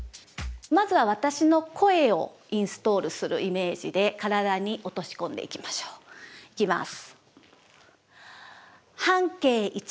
まずは私の声をインストールするイメージで体に落とし込んでいきましょう。いきます。